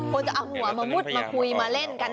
ควรจะเอาหัวมามุดมาคุยมาเล่นกัน